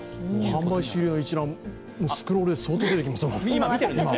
販売終了の一覧、スクロールしても無限に出てきます。